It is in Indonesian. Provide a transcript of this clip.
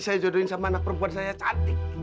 saya jodohin sama anak perempuan saya cantik